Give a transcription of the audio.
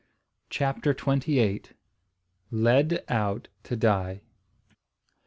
CHAPTER TWENTY EIGHT. LED OUT TO DIE.